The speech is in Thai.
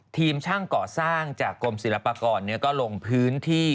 ทีมช่างก่อสร้างจากกรมศิลปากรก็ลงพื้นที่